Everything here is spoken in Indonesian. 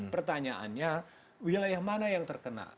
pertanyaannya wilayah mana yang terkena